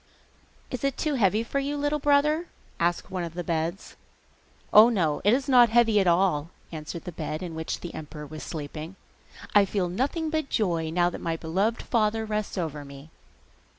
'Is it too heavy for you, little brother?' asked one of the beds. 'Oh, no, it is not heavy at all,' answered the bed in which the emperor was sleeping. 'I feel nothing but joy now that my beloved father rests over me.